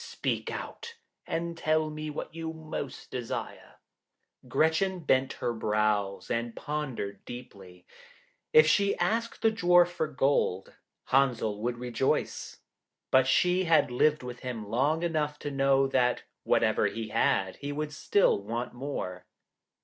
Speak out, and tell me what you most desire.' Gretchen bent her brows, and pondered deeply. If she asked the Dwarf for gold, Henzel would rejoice, but she had lived with him long enough to know that whatever he had, he would still want more.